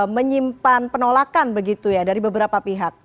menyimpan penolakan begitu ya dari beberapa pihak